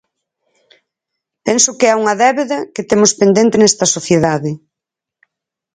Penso que é unha débeda que temos pendente nesta sociedade.